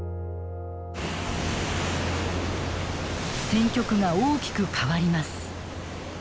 戦局が大きく変わります。